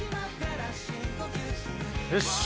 よし。